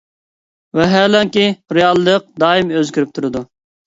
ۋاھالەنكى، رېئاللىق دائىم ئۆزگىرىپ تۇرىدۇ.